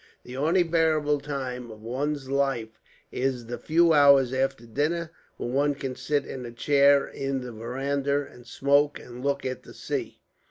The only bearable time of one's life is the few hours after dinner, when one can sit in a chair in the veranda, and smoke and look at the sea.